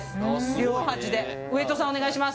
両端で上戸さんお願いします